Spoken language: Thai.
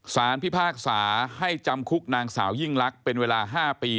พิพากษาให้จำคุกนางสาวยิ่งลักษณ์เป็นเวลา๕ปี